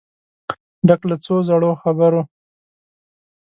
ډک له څو زړو خبرو